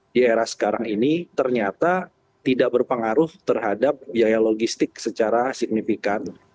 di era sekarang ini ternyata tidak berpengaruh terhadap biaya logistik secara signifikan